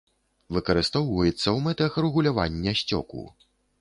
Выкарыстоўваецца ў мэтах рэгулявання сцёку.